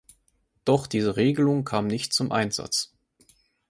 Doch diese Regelung kam nicht zum Einsatz.